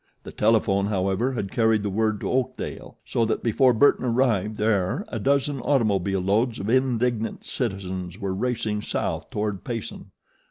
The telephone, however, had carried the word to Oakdale; so that before Burton arrived there a dozen automobile loads of indignant citizens were racing south toward Payson.